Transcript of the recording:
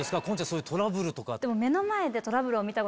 そういうトラブルとか。